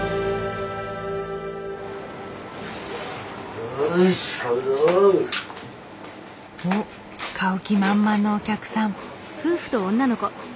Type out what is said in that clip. おっ買う気満々のお客さん。